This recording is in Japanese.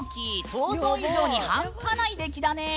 想像以上に半端ない出来だね。